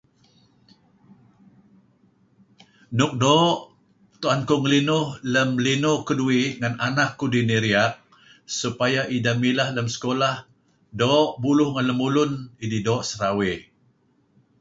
Nuk do tu'an kuh ngalinuh lam linuh kadu'uih ngan anak kudih nih ri'ak, supaya idah mi'lah lam sekolah, do buluh ngan lamulun, idih do serawa.